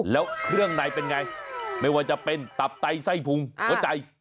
แล้วเครื่องในเป็นไงไม่ว่าจะเป็นตับไตไส้พุงหัวใจ